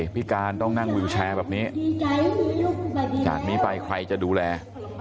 แม่แบบนี้อย่างนี้ไปใครจะดูแล